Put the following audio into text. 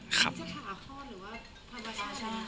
คุณจะถามข้อหรือว่าธรรมชาติ